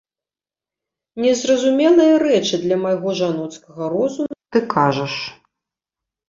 Незразумелыя рэчы для майго жаноцкага розуму ты кажаш.